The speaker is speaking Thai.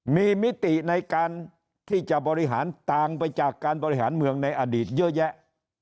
มีมิติในการที่จะบริหารต่างไปจากการบริหารเมืองในอดีตเยอะแยะ